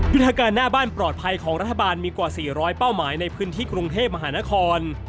ยุทธการหน้าบ้านปลอดภัยของรัฐบาลมีกว่า๔๐๐เป้าหมายในพื้นที่กรุงเทพมหานคร